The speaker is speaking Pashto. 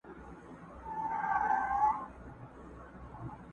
لوستونکی د انسان تر څنګ د يو ژوي د حلالېدو